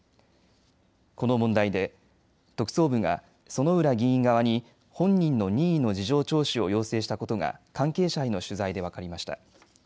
この問題で特捜部が薗浦議員側に本人の任意の事情聴取を要請したことが関係者への取材で分かりました。